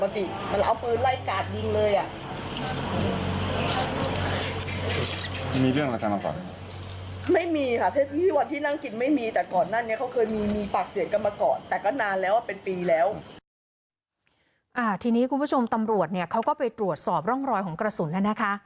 ทีนี้คุณผู้ชมตำรวจเนี่ยเขาก็ไปตรวจสอบร่องรอยของกระสุนแล้วนะคะ